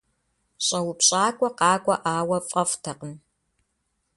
Щӏэупщӏакӏуэ къакӏуэӏауэ фӏэфӏтэкъым.